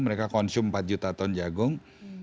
mereka konsum empat juta ton jagung